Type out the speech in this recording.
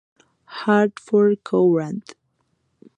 Hartford Courant